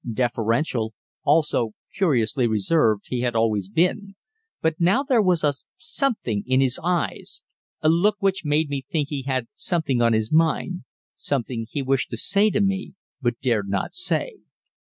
Deferential, also curiously reserved, he had always been, but now there was a "something" in his eyes, a look which made me think he had something on his mind something he wished to say to me but dared not say.